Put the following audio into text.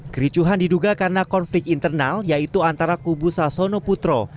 kericuhan diduga karena konflik internal yaitu antara kubu sasono putro